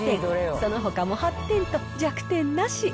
そのほかも８点と、弱点なし。